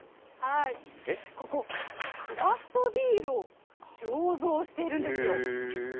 ここ、クラフトビールを醸造しているんですよ。